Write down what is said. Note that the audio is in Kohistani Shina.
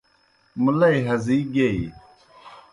مُلئی ہزِی گیئی۔